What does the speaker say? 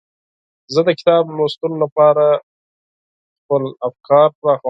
زه د کتاب لوستلو سره خپل افکار پراخوم.